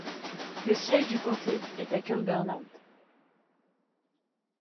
Le siège du comté est à Cumberland.